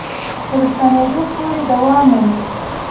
تر راستنېدو پورې دوام مومي.